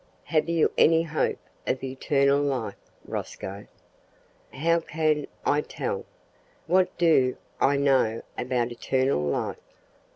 "Have you any hope of eternal life, Rosco?" "How can I tell? What do I know about eternal life!"